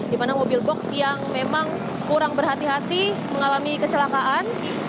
di mana mobil box yang memang kurang berhati hati mengalami kecelakaan